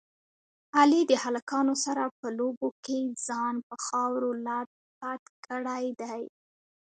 علي د هلکانو سره په لوبو کې ځان په خاورو لت پت کړی دی.